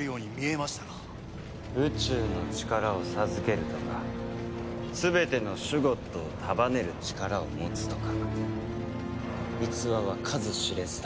宇宙の力を授けるとか全てのシュゴッドを束ねる力を持つとか逸話は数知れずだ。